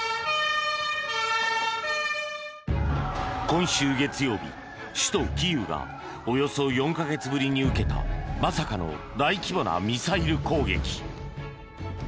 今週月曜日、首都キーウがおよそ４か月ぶりに受けたまさかの大規模なミサイル攻撃。